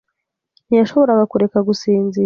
ntiyashoboraga kureka gusinzira.